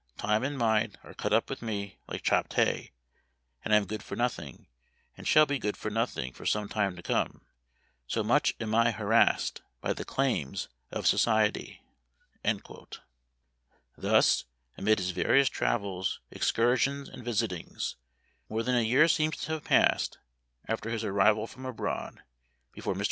Time and mind are cut up with me like chopped hay, and I am good for nothing, and shall be good for nothing for some time to come, so much am I harassed by the claims of society." Thus, amid his various travels, excursions, and visitings, more than a year seems to have passed, after his arrival from abroad, before Mr. 202 Memoir of Washington Irving.